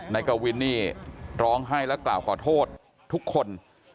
กวินนี่ร้องไห้และกล่าวขอโทษทุกคน